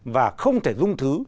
và không thể dung thứ